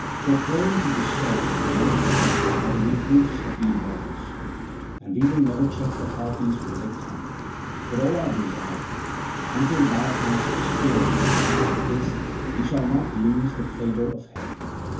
For plain to discern to men of earth are the reproofs of the immortals. And we will never check the Harpies when they come, for all our desire, until thou hast sworn that for this we shall not lose the favour of heaven."